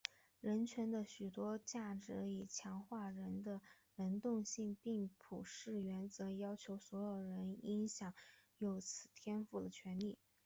人权的许多价值以强化人的能动性并以普世原则要求所有人应享有此天赋权利。